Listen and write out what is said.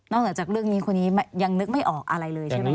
เหนือจากเรื่องนี้คนนี้ยังนึกไม่ออกอะไรเลยใช่ไหม